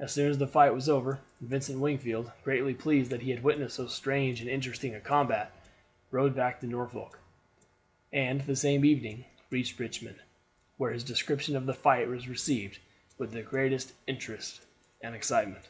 As soon as the fight was over Vincent Wingfield, greatly pleased that he had witnessed so strange and interesting a combat, rode back to Norfolk, and the same evening reached Richmond, where his description of the fight was received with the greatest interest and excitement.